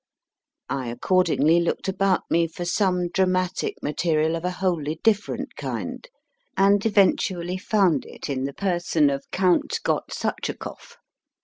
I accordingly looked about me for some dramatic material of a wholly different kind, and eventually found it in the person of Count Gotsuchakoff.